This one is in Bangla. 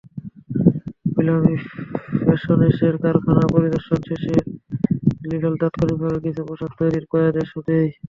প্লামি ফ্যাশনসের কারখানা পরিদর্শন শেষে লিডল তাৎক্ষণিকভাবে কিছু পোশাক তৈরির ক্রয়াদেশও দেয়।